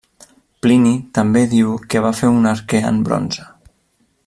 Plini també diu que va fer un arquer en bronze.